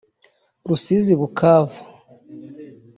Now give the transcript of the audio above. Rusizi-Bukavu